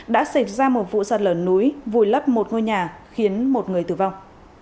đã xảy ra một vụ sạt lở núi vùi lấp một ngôi nhà khiến một người tử vong